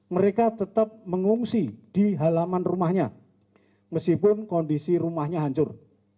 mereka tetap mengungsi di halaman rumahnya meskipun kondisi rumahnya hancur